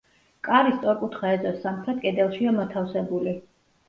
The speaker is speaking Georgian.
კარი სწორკუთხა ეზოს სამხრეთ კედელშია მოთავსებული.